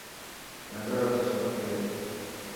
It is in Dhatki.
نظر رو چشمو پير.